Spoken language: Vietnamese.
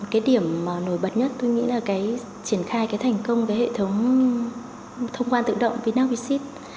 cái điểm nổi bật nhất tôi nghĩ là cái triển khai cái thành công cái hệ thống thông quan tự động vin ax vin sys